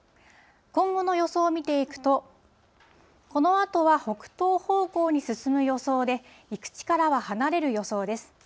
今後の予想を見ていくと、このあとは北東方向に進む予想で、陸地からは離れる予想です。